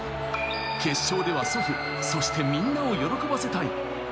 決勝では祖父、そしてみんなを喜ばせたい。